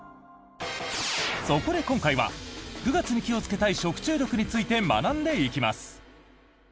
そこで、今回は９月に気をつけたい食中毒について学んでいきます。